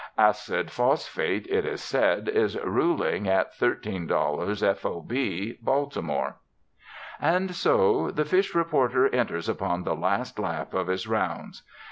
Acid phosphate, it is said, is ruling at $13 f.o.b. Baltimore. And so the fish reporter enters upon the last lap of his rounds.